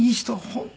「本当